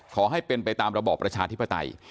ขอให้เป็นไปตามระบอบประชาธิปไตย